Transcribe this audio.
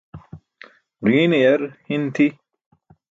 Ġiine yar hiṅ tʰi.